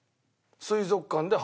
水族館で。